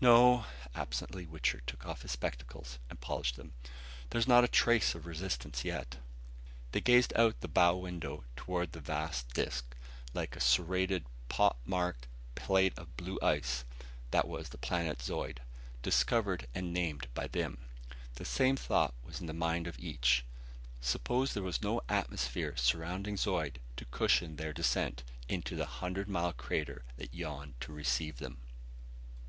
"No." Absently Wichter took off his spectacles and polished them. "There's not a trace of resistance yet." They gazed out the bow window toward the vast disc, like a serrated, pock marked plate of blue ice, that was the planet Zeud discovered and named by them. The same thought was in the mind of each. Suppose there were no atmosphere surrounding Zeud to cushion their descent into the hundred mile crater that yawned to receive them?